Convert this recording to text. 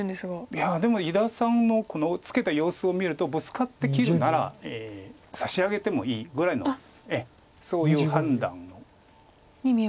いやでも伊田さんのツケた様子を見るとブツカって切るなら差し上げてもいいぐらいのそういう判断。に見えますか。